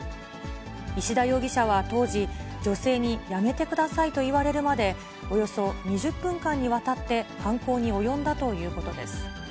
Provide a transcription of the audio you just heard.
石田容疑者は当時、女性にやめてくださいと言われるまで、およそ２０分間にわたって犯行に及んだということです。